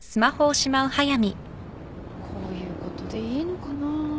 こういうことでいいのかな？